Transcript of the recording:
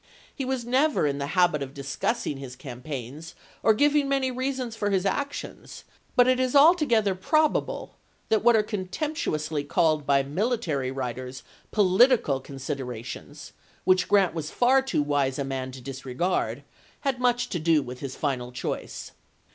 He was never in the habit of discussing his cam paigns or giving many reasons for his actions, but it is altogether probable that what are contemptu ously called by military writers political consider ations, which Grant was too wise a man to disregard, had much to do with this final choice.